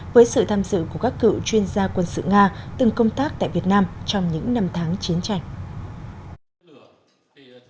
với sự tham dự của các cựu chuyên gia quân sự nga từng công tác tại việt nam trong những năm tháng chiến tranh